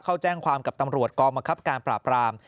เข้าแจ้งความกับตำรวจกรรมมการปราบปราม